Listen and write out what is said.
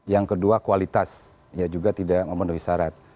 yang kedua kualitas ya juga tidak memenuhi syarat